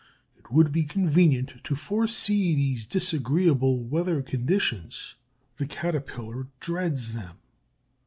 It would be convenient to foresee these disagreeable weather conditions. The Caterpillar dreads them.